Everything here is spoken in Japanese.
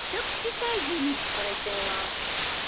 これ行ってみます。